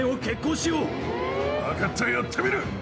分かったやってみる。